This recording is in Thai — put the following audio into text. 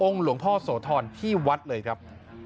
หลวงพ่อโสธรที่วัดเลยครับ